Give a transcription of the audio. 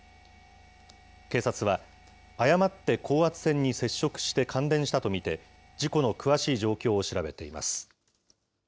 警察は、誤って高圧線に接触して感電したと見て、事故の詳しい状況を調べています。